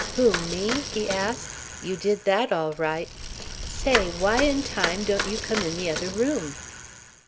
"Who, me?" he asked. "You did that all right. Say, why in time don't you come in the other room?"